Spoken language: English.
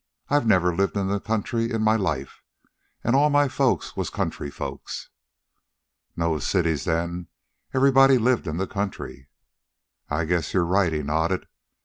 I've never lived in the country in my life an' all my folks was country folks." "No cities then. Everybody lived in the country." "I guess you're right," he nodded.